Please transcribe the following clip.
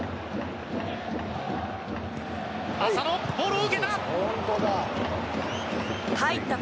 浅野、ボールを受けた。